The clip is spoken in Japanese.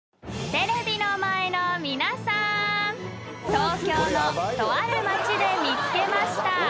［テレビの前の皆さーん東京のとある町で見つけました］